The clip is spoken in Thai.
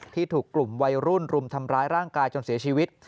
ถูกกลุ่มวัยรุ่นรุมทำร้ายร่างกายจนเสียชีวิต